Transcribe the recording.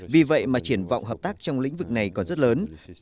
vì vậy mà triển vọng hợp tác trong lĩnh vực này còn rất lớn